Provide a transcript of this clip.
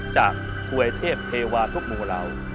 จากถวยเทพเทวาทุกหมู่เหล่า